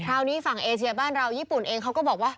คราวนี้ฝั่งเอเชียบ้านเราญี่ปุ่นเองเขาก็บอกว่า